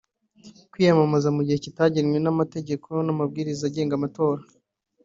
kwiyamamaza mu gihe kitagenwe n’amategeko n’amabwiriza agenga amatora